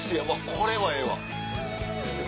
これはええわ。